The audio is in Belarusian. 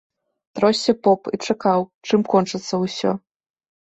Тросся поп і чакаў, чым кончыцца ўсё.